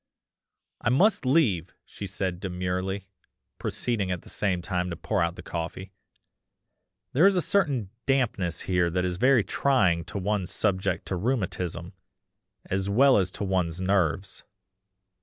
"'I must leave!' she said demurely, proceeding at the same time to pour out the coffee, 'there is a certain dampness here that is very trying to one subject to rheumatism, as well as to one's nerves.